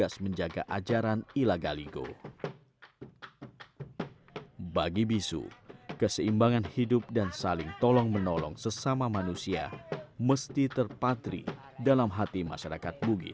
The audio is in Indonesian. sandro ini yang diatas sini